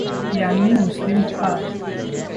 Yanni मुस्लिम था।